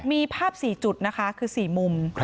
มีภาพ๔จุดนะคะคือ๔มุม